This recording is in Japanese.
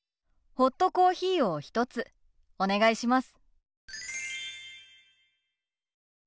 ホットコーヒーを１つお願いします。